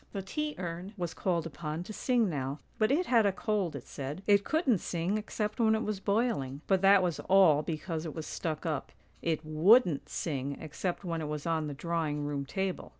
" The tea urn was called upon to sing now, but it had a cold, it said; it couldn't sing except when it was boiling; but that was all because it was stuck up; it wouldn't sing except when it was on the drawing room table.